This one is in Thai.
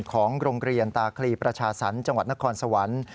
ของโรงเรียนตาคลีประชาสรรค์จังหวัดนครสวรรค์